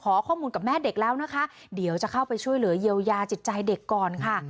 ข้อมูลกับแม่เด็กแล้วนะคะเดี๋ยวจะเข้าไปช่วยเหลือเยียวยาจิตใจเด็กก่อนค่ะ